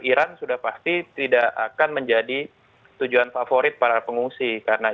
iran sudah pasti tidak akan menjadi tujuan favorit para pengungsi karena